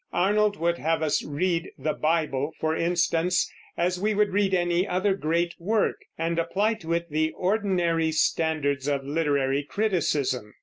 Arnold would have us read the Bible, for instance, as we would read any other great work, and apply to it the ordinary standards of literary criticism.